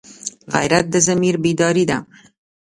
غیرت د ضمیر بیداري ده